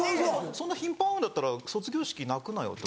そんな頻繁に会うんだったら卒業式泣くなよと。